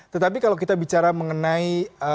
tetapi kalau kita bicara mengenai